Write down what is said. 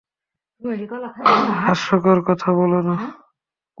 হাস্যকর কথা বোলো না!